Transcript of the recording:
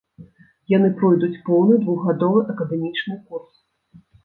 Яны пройдуць поўны двухгадовы акадэмічны курс.